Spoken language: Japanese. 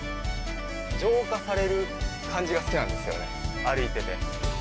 浄化される感じが好きなんですよ、歩いてて。